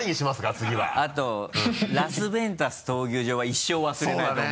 次あと「ラス・ベンタス闘牛場」は一生忘れないと思う。